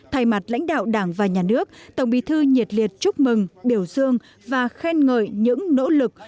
thay mặt lãnh đạo đảng và nhà nước tổng bí thư nhiệt liệt chúc mừng biểu dương và khen ngợi những nỗ lực